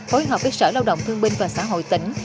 phối hợp với sở lao động thương binh và xã hội tỉnh